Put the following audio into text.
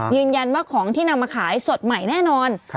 ยืนยันว่าของที่นำมาขายสดใหม่แน่นอน